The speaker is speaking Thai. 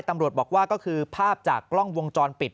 ตำรวจบอกว่าก็คือภาพจากกล้องวงจรปิด